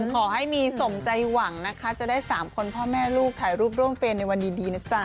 ขอให้มีสมใจหวังนะคะจะได้๓คนพ่อแม่ลูกถ่ายรูปร่วมเฟรมในวันดีนะจ๊ะ